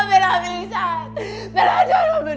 bella aku dipiksa bella jangan mami